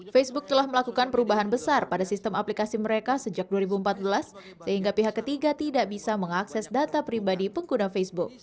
facebook telah melakukan perubahan besar pada sistem aplikasi mereka sejak dua ribu empat belas sehingga pihak ketiga tidak bisa mengakses data pribadi pengguna facebook